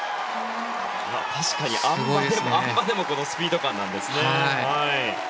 確かにあん馬でもこのスピード感なんですね。